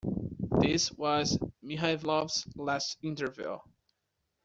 This was Mihailov's last interview.